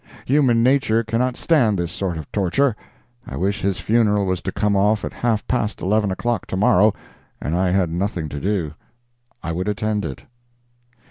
Human nature cannot stand this sort of torture. I wish his funeral was to come off at half past eleven o'clock tomorrow and I had nothing to do. I would attend it.